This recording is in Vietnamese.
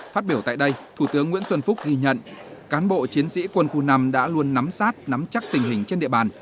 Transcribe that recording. phát biểu tại đây thủ tướng nguyễn xuân phúc ghi nhận cán bộ chiến sĩ quân khu năm đã luôn nắm sát nắm chắc tình hình trên địa bàn